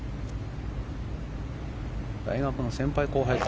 大学の先輩・後輩と。